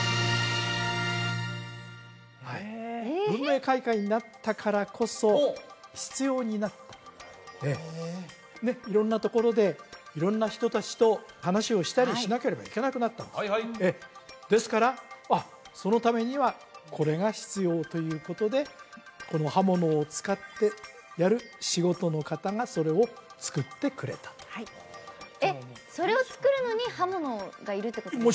文明開化になったからこそ必要になった色んなところで色んな人達と話をしたりしなければいけなくなったんですですからそのためにはこれが必要ということでこの刃物を使ってやる仕事の方がそれを作ってくれたとえっそれを作るのに刃物がいるってことですよね？